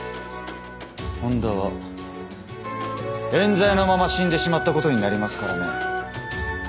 本田はえん罪のまま死んでしまったことになりますからね。